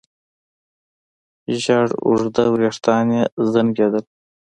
زېړ اوږده وېښتان يې زانګېدل.